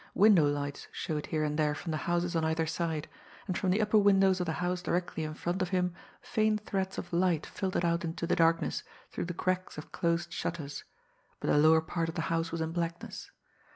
Window lights showed here and there from the houses on either side; and from the upper windows of the house directly in front of him faint threads of light filtered out into the darkness through the cracks of closed shutters, but the lower part of the house was in blackness.